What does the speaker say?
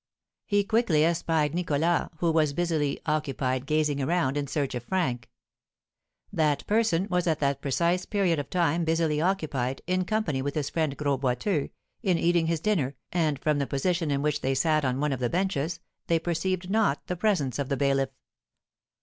He quickly espied Nicholas, who was busily occupied gazing around in search of Frank. That person was at that precise period of time busily occupied, in company with his friend Gros Boiteux, in eating his dinner, and, from the position in which they sat on one of the benches, they perceived not the presence of the bailiff.